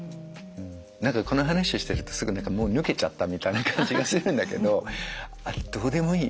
何かこの話をしてるとすごい何かもう抜けちゃったみたいな感じがするんだけどどうでもいい。